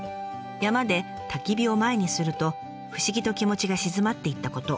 山でたき火を前にすると不思議と気持ちが静まっていったこと。